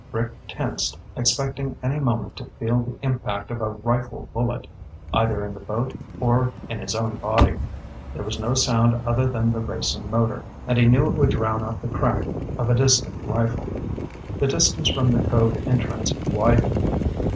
Rick tensed, expecting any moment to feel the impact of a rifle bullet, either in the boat or in his own body. There was no sound other than the racing motor, and he knew it would drown out the crack of a distant rifle. The distance from the cove entrance widened.